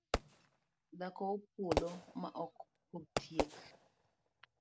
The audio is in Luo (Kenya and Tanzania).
Dhako puodho maok purtieki